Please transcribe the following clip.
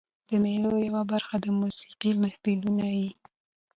د مېلو یوه برخه د موسیقۍ محفلونه يي.